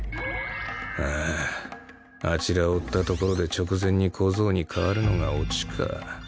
あああちらを追ったところで直前に小僧に代わるのがオチか。